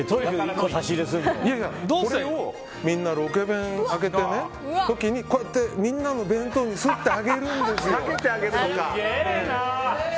これをロケ弁を開けてこうやってみんなの弁当にすってあげるんですよ。